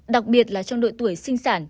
đặc biệt là trong đội tuổi sinh sản